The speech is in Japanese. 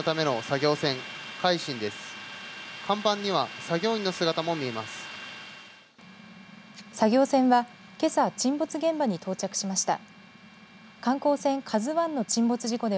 作業船はけさ沈没現場に到着しました。